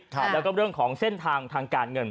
แล้วก็เรื่องของเส้นทางทางการเงิน